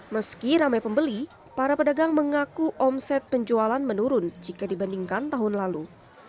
meski ramai pembeli para pedagang mengaku omset penjualan menurun jika dibandingkan tahun lalu